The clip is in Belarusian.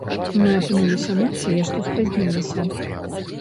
Мы апынуліся нацыяй, што спазнілася.